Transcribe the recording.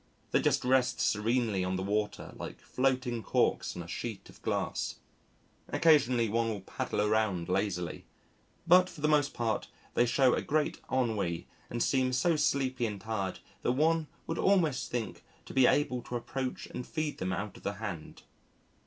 They just rest serenely on the water like floating corks on a sheet of glass. Occasionally one will paddle around lazily. But for the most part they show a great ennui and seem so sleepy and tired that one would almost think to be able to approach and feed them out of the hand.